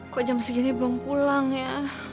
kok jam segini belum pulang ya